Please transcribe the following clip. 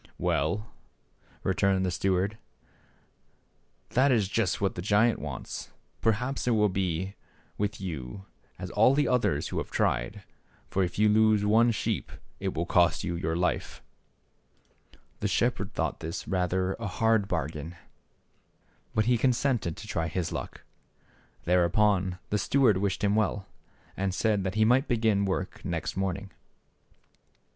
"Well," returned the steward, "that is just what the giant wants, but perhaps it will be with you as with all others who have tried, for, if you lose one sheep, it will cost you your life." The shepherd thought this rather a hard bar gain, but he consented to try his luck. There upon the steward wished him well, j^r. . and said that he might begin ^ wor k ^0 nex t morning.